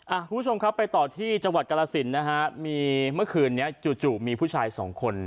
คุณผู้ชมครับไปต่อที่จังหวัดกรสินนะฮะมีเมื่อคืนนี้จู่จู่มีผู้ชายสองคน